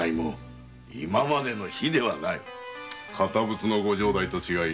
堅物のご城代と違い